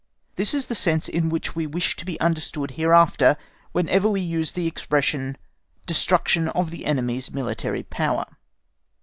This is the sense in which we wish to be understood hereafter, whenever we use the expression "destruction of the enemy's military power."